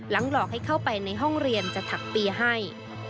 หลอกให้เข้าไปในห้องเรียนจะถักปีให้